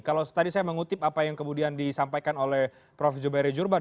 kalau tadi saya mengutip apa yang kemudian disampaikan oleh prof joberi jurban